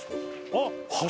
あっ！